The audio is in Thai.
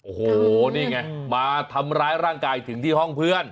โอ้โหนี่ไงมาทำร้ายร่างกายถึงที่ห้องเพื่อน